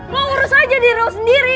lo urus aja diri lo sendiri